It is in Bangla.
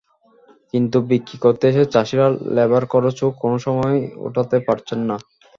কিন্তু বিক্রি করতে এসে চাষিরা লেবার খরচও কোনো সময় ওঠাতে পারছেন না।